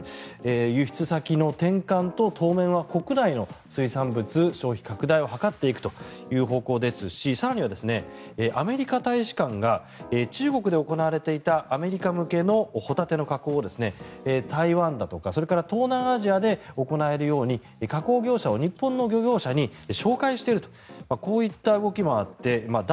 輸出先の転換と当面は国内の水産物消費拡大を図っていくという方向ですし更にはアメリカ大使館が中国で行われていたアメリカ向けのホタテの加工を台湾だとかそれから東南アジアで行えるように加工業者を日本の漁業者に紹介しているとこういった動きもあって脱